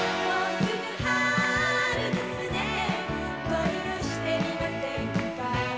「恋をしてみませんか」